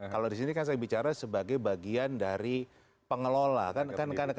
kalau di sini kan saya bicara sebagai bagian dari pengelola kan